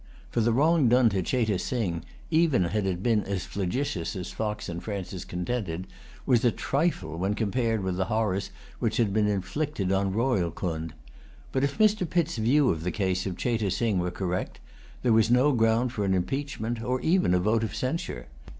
For the wrong done to Cheyte Sing, even had it been as flagitious as Fox and Francis contended, was a trifle when compared with the horrors which had been inflicted on Rohilcund. But if Mr. Pitt's view of the case of Cheyte Sing were correct, there was no ground for an impeachment, or even for a vote of censure.